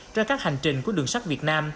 cho các hành trình của đường sắt việt nam